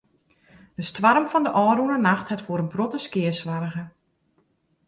De stoarm fan de ôfrûne nacht hat foar in protte skea soarge.